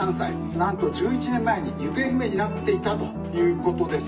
なんと１１年前に行方不明になっていたということです」。